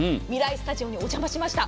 スタジオにお邪魔しました。